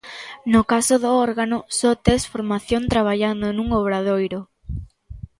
No caso do órgano só tes formación traballando nun obradoiro.